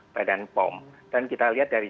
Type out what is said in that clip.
badan pom dan kita lihat dari